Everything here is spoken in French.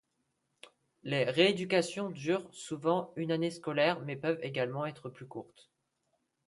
Les rééducations durent souvent une année scolaire, mais peuvent également être plus courtes.